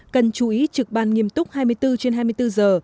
cần chú ý trực ban nghiêm túc hai mươi bốn trên hai mươi bốn giờ